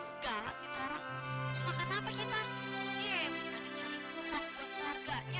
iya ya bukan cari rumah buat keluarganya